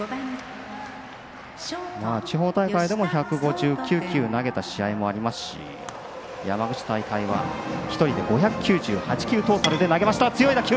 地方大会でも１５９球投げた試合もありますし山口大会は１人で５９８球、投げました。